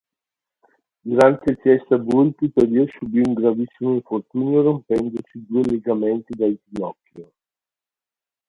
Durante il Fiesta Bowl tuttavia subì un gravissimo infortunio rompendosi due legamenti del ginocchio.